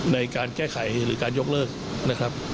ในการแก้ไขหรือการยกเลิกนะครับ